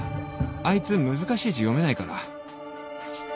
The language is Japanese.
あいつ難しい字読めないから